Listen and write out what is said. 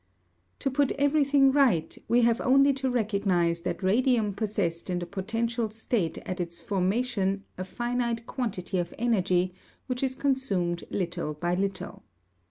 To put everything right, we have only to recognise that radium possessed in the potential state at its formation a finite quantity of energy which is consumed little by little.